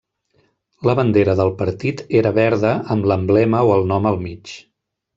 La bandera del Partit era verda amb l'emblema o el nom al mig.